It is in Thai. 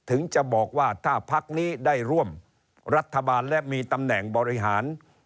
ถึงจะบอกว่าถ้าพักนี้ได้ร่วมรัฐบาลและมีตำแหน่งบริหาร